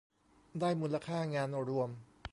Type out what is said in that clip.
ได้มูลค่างานรวม